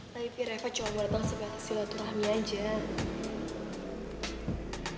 tapi reva cuma mau datang sebatas silat rahmi aja